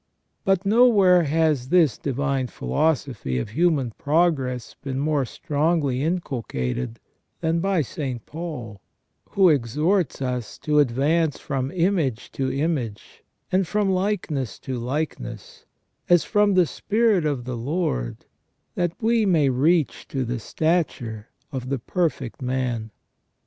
But nowhere has this divine philosophy of human progress been more strongly inculcated than by St. Paul, who exhorts us to advance from image to image and from likeness to likeness, as from the Spirit of the Lord, that we may reach to the stature of the perfect man.